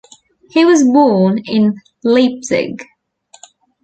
He was born in Leipzig.